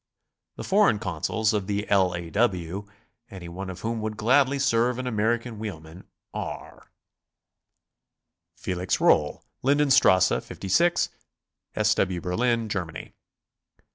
The foreign Consuls of the L. A. W., any one of whom would gladly serve an American wheelman, are: Felix Rohl, Linden Strasse 5G, S. W. Berlin, Germany.